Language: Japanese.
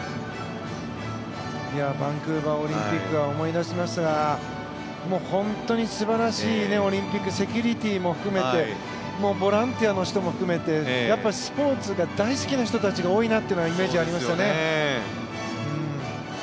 バンクーバーオリンピックを思い出しますが本当に素晴らしいオリンピックセキュリティーも含めてボランティアの人も含めてスポーツが大好きな人たちが多いなというイメージがあります。